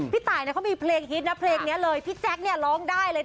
พี่ตายเขามีเพลงฮิตนะเพลงนี้เลยพี่แจ๊คเนี่ยร้องได้เลย